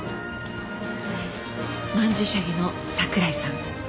曼珠沙華の櫻井さん。